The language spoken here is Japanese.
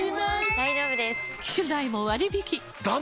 大丈夫です！